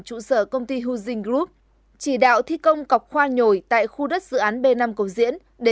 trụ sở công ty housing group chỉ đạo thi công cọc khoa nhồi tại khu đất dự án b năm cầu diễn để